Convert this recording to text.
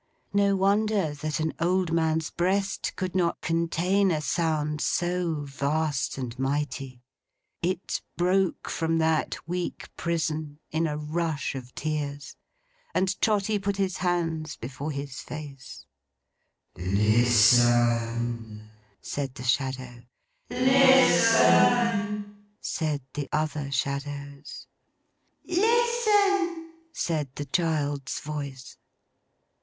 No wonder that an old man's breast could not contain a sound so vast and mighty. It broke from that weak prison in a rush of tears; and Trotty put his hands before his face. 'Listen!' said the Shadow. 'Listen!' said the other Shadows. 'Listen!' said the child's voice.